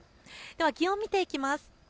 気温、見ていきます。